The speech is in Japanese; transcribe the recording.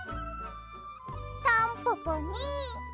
タンポポに。